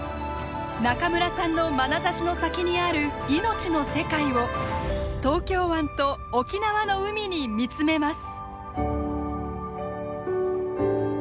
中村さんのまなざしの先にある「命の世界」を東京湾と沖縄の海に見つめます。